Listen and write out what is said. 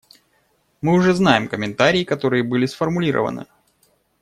Мы уже знаем комментарии, которые были сформулированы.